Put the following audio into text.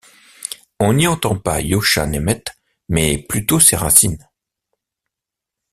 On n’y entend pas Yoska Nemeth, mais plutôt ses racines.